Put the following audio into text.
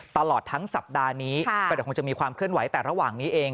ตลอดทั้งสัปดาห์นี้ก็เดี๋ยวคงจะมีความเคลื่อนไหวแต่ระหว่างนี้เอง